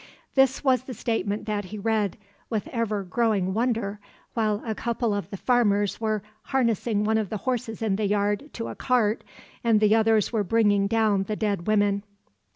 This was the statement that he read, with ever growing wonder, while a couple of the farmers were harnessing one of the horses in the yard to a cart, and the others were bringing down the dead women.